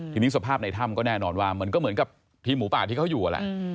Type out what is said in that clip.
ทีนี้สภาพในถ้ำก็แน่นอนว่ามันก็เหมือนกับทีมหมูป่าที่เขาอยู่แหละ